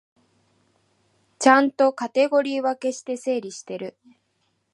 ちゃんとカテゴリー分けして整理してる